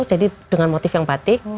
jadi dengan motif yang batik